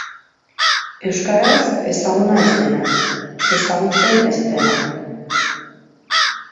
Euskaraz, Ezaguna ez dena; ezagutzen ez dena.